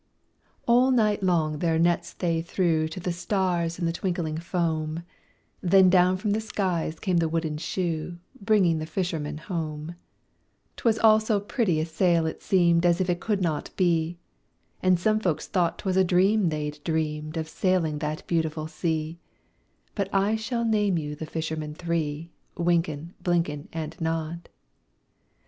All night long their nets they threw To the stars in the twinkling foam,— Then down from the skies came the wooden shoe, Bringing the fishermen home: 'Twas all so pretty a sail, it seemed As if it could not be; And some folk thought 'twas a dream they'd dreamed Of sailing that beautiful sea; But I shall name you the fishermen three: Wynken, Blynken, And Nod.